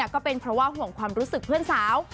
ก็เป็นเพราะว่าห่วงความรู้สึกเพื่อนสาว